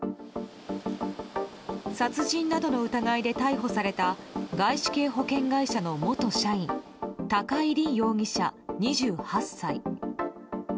殺人などの疑いで逮捕された外資系保険会社の元社員高井凜容疑者、２８歳。